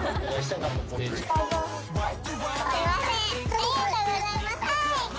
ありがとうございます。